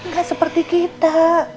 gak seperti kita